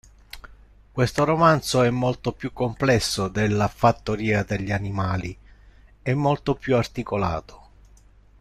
Questo romanzo è molto più complesso della Fattoria degli animali e molto più articolato.